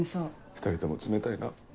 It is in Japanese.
２人とも冷たいなぁ。